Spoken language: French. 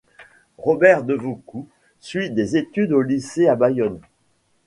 Robert Devoucoux suit des études au lycée à Bayonne.